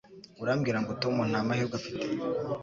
Urambwira ngo Tom nta mahirwe afite?